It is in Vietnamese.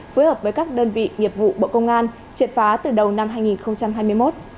phối hợp với các đơn vị nghiệp vụ bộ công an triệt phá từ đầu năm hai nghìn hai mươi một